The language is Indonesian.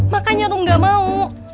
makanya rom gak mau